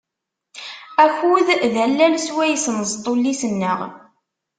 Akud d allal swayes nzeṭṭ ullis-nneɣ.